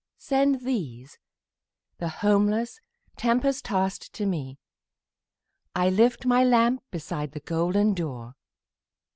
Send these, the homeless, tempest tost to me,I lift my lamp beside the golden door!"